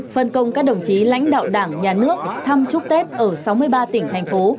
phân công các đồng chí lãnh đạo đảng nhà nước thăm chúc tết ở sáu mươi ba tỉnh thành phố